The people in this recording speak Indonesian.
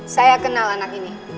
saya kenal anak ini